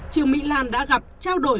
trường mỹ lan đã gặp trao đổi